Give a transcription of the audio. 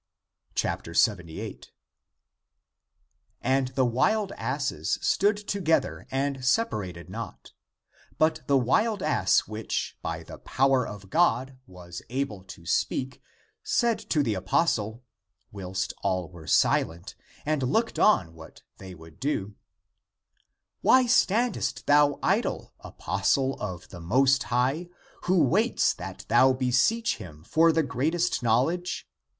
78. And the wild asses stood together and sep arated not. But the wild ass which by the power of God was able to speak said to the apostle, whilst all were silent and looked on what they would do, " Why standest thou idle, apostle of the Most High, who waits that thou beseech him for the greatest knowledge?